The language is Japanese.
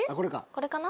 これかな？